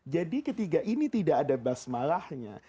jadi ketiga ini tidak ada basmalahnya